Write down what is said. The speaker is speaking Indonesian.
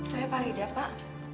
saya farida pak